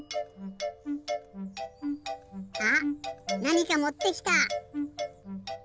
あっなにかもってきた！